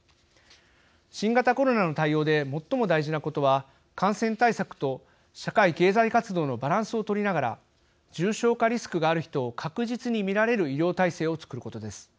新型コロナの対応で最も大事なことは感染対策と社会経済活動のバランスを取りながら重症化リスクがある人を確実に診られる医療体制を作ることです。